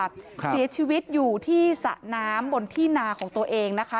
เสียชีวิตอยู่ที่สระน้ำบนที่นาของตัวเองนะคะ